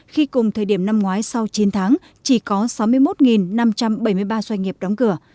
khi cùng thời điểm năm ngoái sau chín tháng chỉ có sáu mươi một năm trăm bảy mươi ba doanh nghiệp đóng cửa